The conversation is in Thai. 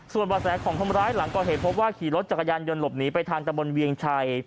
ส่วนบ่อแสของคนร้ายหลังก่อเหตุพบว่าขี่รถจักรยานยนต์หลบหนีไปทางตะบนเวียงชัย